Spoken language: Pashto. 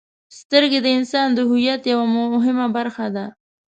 • سترګې د انسان د هویت یوه مهمه برخه ده.